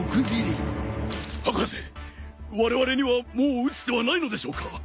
博士われわれにはもう打つ手はないのでしょうか？